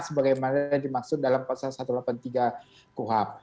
sebagaimana dimaksud dalam pasal satu ratus delapan puluh tiga kuhap